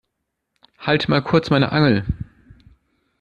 Halt mal kurz meine Angel.